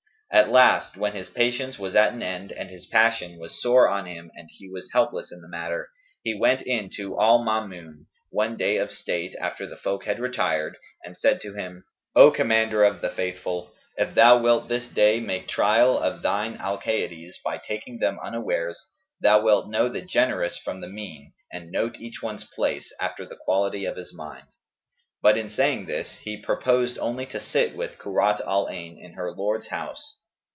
At last when his patience was at an end and his passion was sore on him and he was helpless in the matter, he went in to al Maamun, one day of state after the folk had retired, and said to him, 'O Commander of the Faithful, if thou wilt this day make trial of thine Alcaydes by taking them unawares, thou wilt know the generous from the mean and note each one's place, after the quality of his mind.' But, in saying this he purposed only to sit with Kurrat al Ayn in her lord's house.